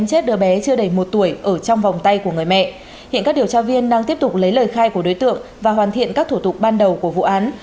các điều tra viên đang tiếp tục lấy lời khai của đối tượng và hoàn thiện các thủ tục ban đầu của vụ án